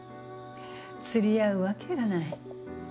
釣り合うわけがない。